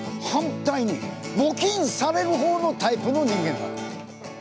反対に募金される方のタイプの人間なの。